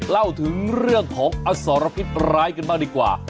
เล่าถึงเรื่องของอสรพิษร้ายกันบ้างดีกว่า